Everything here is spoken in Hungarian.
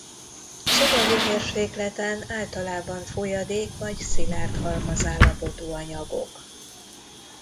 Szobahőmérsékleten általában folyadék vagy szilárd halmazállapotú anyagok.